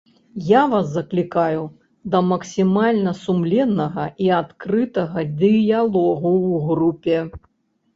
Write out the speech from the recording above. Я вас заклікаю да максімальна сумленнага і адкрытага дыялогу ў групе.